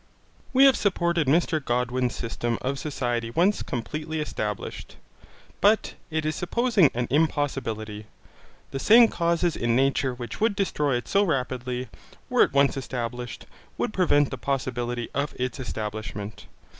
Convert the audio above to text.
We have supported Mr Godwin's system of society once completely established. But it is supposing an impossibility. The same causes in nature which would destroy it so rapidly, were it once established, would prevent the possibility of its establishment.